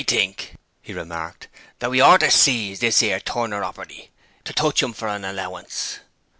'I think,' he remarked, 'that we oughter see ise this 'ere tuneropperty to touch 'im for an allowance.'